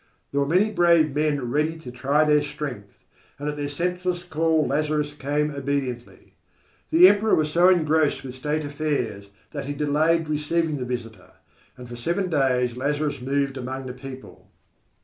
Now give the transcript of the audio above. There were many brave men ready to try their strength, and at their senseless call Lazarus came obediently. The Emperor was so engrossed with state affairs that he delayed receiving the visitor, and for seven days Lazarus moved among the people.